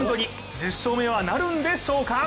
１０勝目はなるんでしょうか。